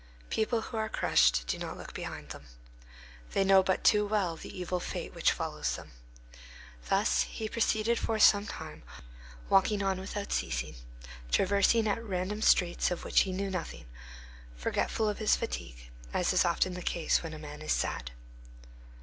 People who are crushed do not look behind them. They know but too well the evil fate which follows them. Thus he proceeded for some time, walking on without ceasing, traversing at random streets of which he knew nothing, forgetful of his fatigue, as is often the case when a man is sad.